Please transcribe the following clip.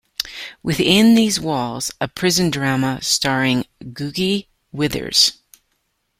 "Within These Walls", a prison drama starring Googie Withers.